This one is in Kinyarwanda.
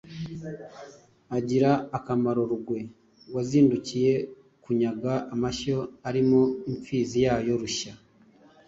Agira akamaro Rugwe wazindukiye kunyaga amashyo ari mo imfizi yayo Rushya